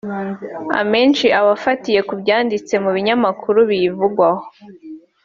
Amenshi aba afatiye ku byanditse mu binyamakuru biyivugaho